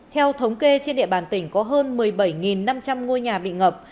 theo thống kê trên địa bàn tỉnh có hơn một mươi bảy năm trăm linh ngôi nhà bị ngập